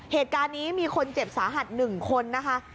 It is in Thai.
เหตุการณ์นี้มีคนเจ็บสาหัส๑คนนะคะ